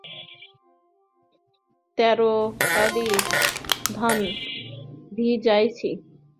ত্যারো কাডি ধান ভিজাইছি।